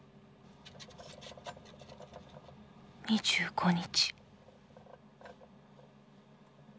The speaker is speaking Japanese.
２５日